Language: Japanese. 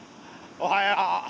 おはよう。